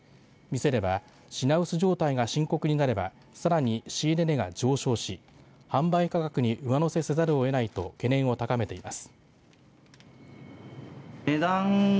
店では品薄状態が深刻になればさらに仕入れ値が上昇し販売価格に上乗せせざるをえないと懸念を高めています。